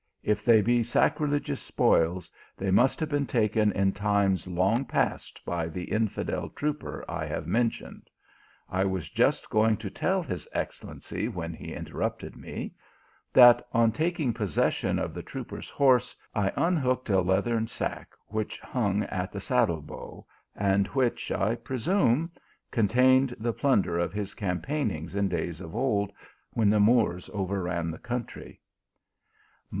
If they be sacrilegious spoils, they must have been taken in times long past by the infidel trooper I have men tioned. I was just going to tell his excellency, when he interrupted me, that, on taking possession of the trooper s horse, I unhooked a leathern sack which hung at the saddle bow, and which, I presume, con tained the plunder of his campaignings in days of old, when the Moors overran the country.